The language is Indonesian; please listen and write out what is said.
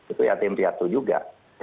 itu yatim piatu juga